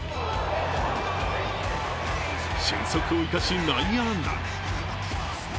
俊足を生かし、内野安打。